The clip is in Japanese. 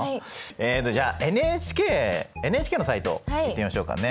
えっとじゃあＮＨＫのサイト行ってみましょうかね。